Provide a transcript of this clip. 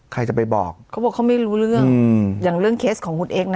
ใครจะไปบอกเขาบอกเขาไม่รู้เรื่องอืมอย่างเรื่องเคสของคุณเอ็กซนะ